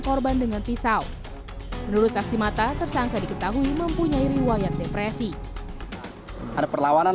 korban dengan pisau menurut saksi mata tersangka diketahui mempunyai riwayat depresi ada perlawanan